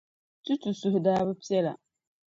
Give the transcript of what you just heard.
Tutu suhu daa bi piɛla.